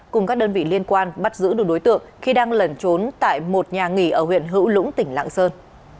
cùng các đơn vị liên quan bắt giữ được đối tượng khi đang lẩn trốn tại một nhà nghỉ ở huyện hữu lũng tỉnh lạng sơn